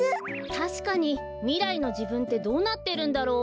たしかにみらいのじぶんってどうなってるんだろう？